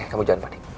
oke kamu jalan padi